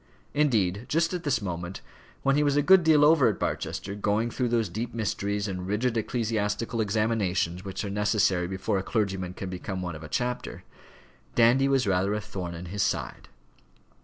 Indeed, just at this moment, when he was a good deal over at Barchester, going through those deep mysteries and rigid ecclesiastical examinations which are necessary before a clergyman can become one of a chapter, Dandy was rather a thorn in his side.